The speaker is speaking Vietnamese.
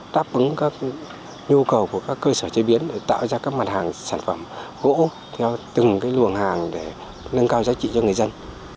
táp ứng các nhu cầu của các cơ sở chế biến để tạo ra các mặt hàng sản phẩm gỗ theo từng luồng hàng để nâng cao giá trị cho người dân